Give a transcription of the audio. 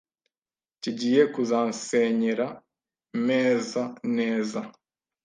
kigiye kuzansenyera meza neza